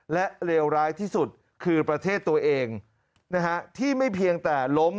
และเลวร้ายที่สุดคือประเทศตัวเองนะฮะที่ไม่เพียงแต่ล้ม